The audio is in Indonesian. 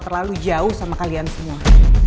terlalu jauh sama kalian semua